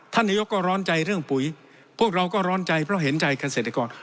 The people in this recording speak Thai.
นายกก็ร้อนใจเรื่องปุ๋ยพวกเราก็ร้อนใจเพราะเห็นใจเกษตรกร